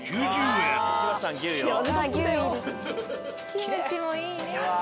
キムチもいいね。